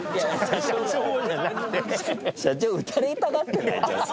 社長撃たれたがってない？